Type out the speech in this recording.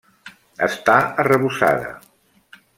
Està arrebossada.